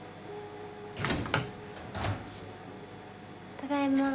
ただいま。